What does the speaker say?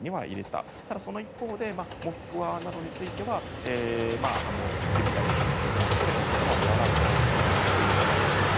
ただ、その一方でモスクワなどについては準備体制ということで言葉を和らげたというふうに思われます。